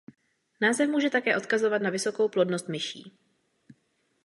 Název může také odkazovat na vysokou plodnost myší.